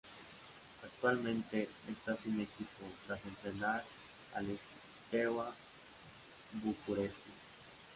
Actualmente está sin equipo, tras entrenar al Steaua București.